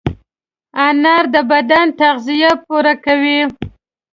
انار د بدن تغذیه پوره کوي.